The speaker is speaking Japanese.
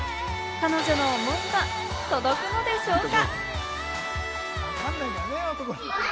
彼女の思いは届くのでしょうか？